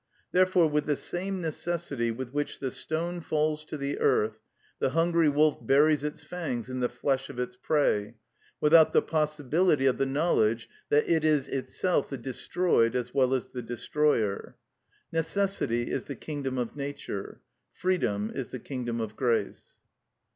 Therefore with the same necessity with which the stone falls to the earth, the hungry wolf buries its fangs in the flesh of its prey, without the possibility of the knowledge that it is itself the destroyed as well as the destroyer. _Necessity is the kingdom of nature; freedom is the kingdom of grace.